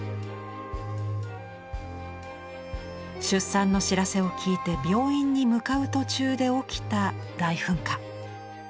出産の知らせを聞いて病院に向かう途中で起きた大噴火。